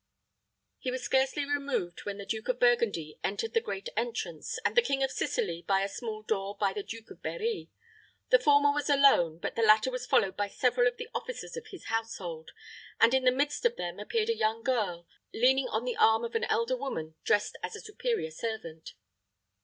He was scarcely removed when the Duke of Burgundy entered by the great entrance, and the King of Sicily by a small door behind the Duke of Berri. The former was alone, but the latter was followed by several of the officers of his household, and in the midst of them appeared a young girl, leaning on the arm of an elder woman dressed as a superior servant.